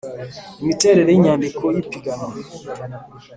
imiterere y inyandiko y ipiganwa